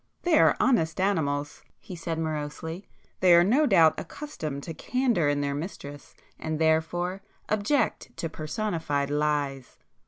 "They are honest animals!" he said morosely—"They are no doubt accustomed to candour in their mistress, and therefore object to personified lies."